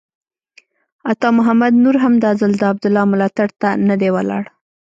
عطا محمد نور هم دا ځل د عبدالله ملاتړ ته نه دی ولاړ.